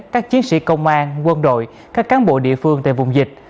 công an quân đội các cán bộ địa phương tại vùng dịch